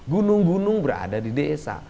gunung gunung berada di desa